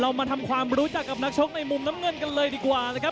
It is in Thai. มาทำความรู้จักกับนักชกในมุมน้ำเงินกันเลยดีกว่านะครับ